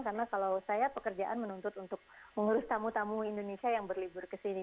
karena kalau saya pekerjaan menuntut untuk mengurus tamu tamu indonesia yang berlibur kesini